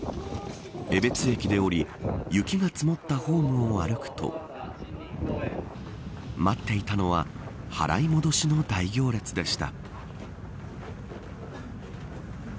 江別駅で降り雪が積もったホームを歩くと待っていたのは払い戻しの大行列でした。